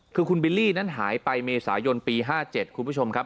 คือคุณบิลลี่นั้นหายไปเมษายนปี๕๗คุณผู้ชมครับ